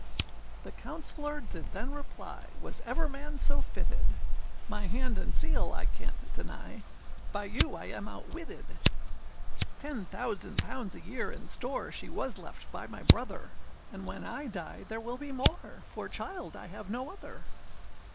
â The counsellor did then reply, Was ever man so fitted; âMy hand and seal I canât deny, By you I am outwitted. âTen thousand pounds a year in store âShe was left by my brother, And when I die there will be more, For child I have no other.